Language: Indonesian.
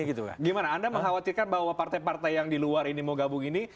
gimana anda mengkhawatirkan bahwa partai partai yang di luar ini mau gabung ini